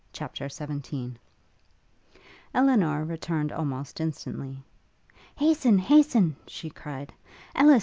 CHAPTER XVII Elinor returned almost instantly. 'Hasten, hasten,' she cried, 'Ellis!